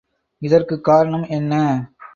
இதற்கு காரணம் என்ன?